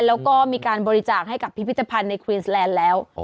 แล้วก็มีการบริจาคให้กับพิพิธภัณฑ์ในควีนส์แลนด์แล้ว